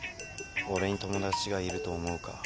俺に友達がいると思うか。